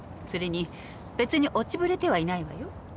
それに別に落ちぶれてはいないわよ。